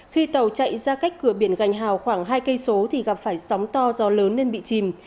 khi tàu chạy ra cách cửa biển gành hào khoảng hai km thì gặp phải sóng to gió lớn nên bị chìm